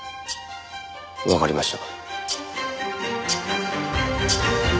わかりました。